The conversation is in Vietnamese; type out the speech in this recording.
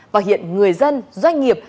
và hiện người dân doanh nghiệp